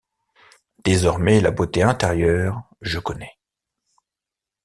Désormais, la beauté intérieure, je connais.